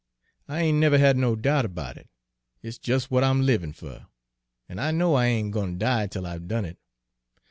I ain't never had no doubt erbout it; it's jus' w'at I'm livin' fer, an' I know I ain' gwine ter die till I've done it.